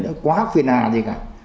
nó quá khuyên hà gì cả